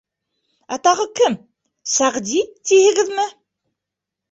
— Ә тағы кем, Сәғди, тиһегеҙме?